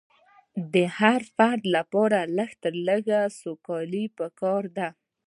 د هر فرد لپاره لږ تر لږه سوکالي پکار ده.